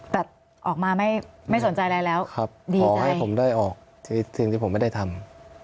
แต่ออกมาไม่สนใจอะไรแล้วขอให้ผมได้ออกสิ่งที่ผมไม่ได้ทำ